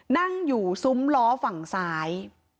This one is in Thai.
นั่งอยู่ซุ้มล้อฝั่งซ้าย